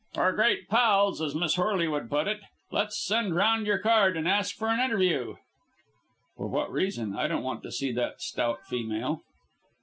"Or great pals, as Miss Horley would put it. Let us send round your card and ask for an interview.' "For what reason? I don't want to see that stout female."